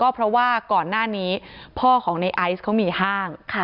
เพราะว่าก่อนหน้านี้พ่อของในไอซ์เขามีห้าง